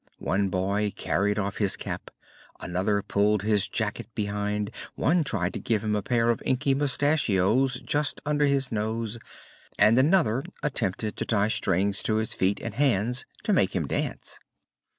One boy carried off his cap, another pulled his jacket behind; one tried to give him a pair of inky mustachios just under his nose, and another attempted to tie strings to his feet and hands to make him dance.